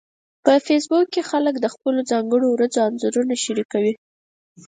په فېسبوک کې خلک د خپلو ځانګړو ورځو انځورونه شریکوي